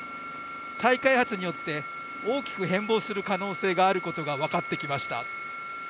再開発によって大きく変貌する可能性があることが分かってきました。